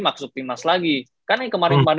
maksud timnas lagi kan yang kemarin